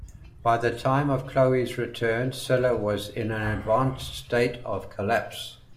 By the time of Choe's return Silla was in an advanced state of collapse.